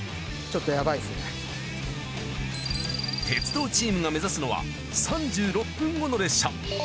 鉄道チームが目指すのは３６分後の列車。